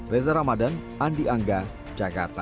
reza ramadan andi angga jakarta